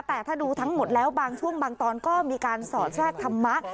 แต่ถ้าดูทั้งหมดแล้วบางช่วงบางตอนก็มีการสอดแทรกธรรมะ